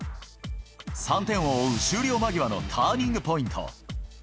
３点を追う終了間際のターニングポイント。